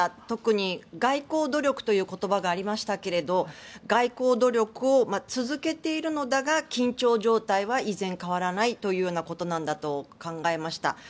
特に外交努力という言葉がありましたが外交努力を続けているのだが緊張状態は依然変わらないということなんだと考えました。